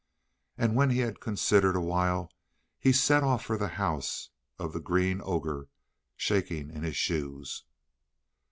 And when he had considered awhile, he set off for the house of the Green Ogre, shaking in his shoes.